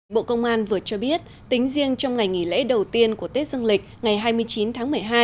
bộ công an vừa cho biết tính riêng trong ngày nghỉ lễ đầu tiên của tết dương lịch ngày hai mươi chín tháng một mươi hai